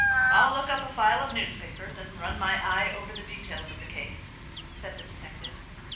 "I'll look up a file of newspapers, and run my eye over the details of the case," said the detective.